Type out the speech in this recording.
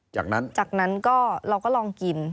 จากนั้นจากนั้นก็เราก็ลองกิน